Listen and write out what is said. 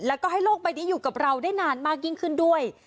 แล้วก็ให้โลกใบนี้อยู่กับเราได้นานมากยิ่งขึ้นด้วย